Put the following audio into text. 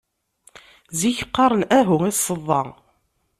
Zik qqaṛen ahu i ṣṣeḍa.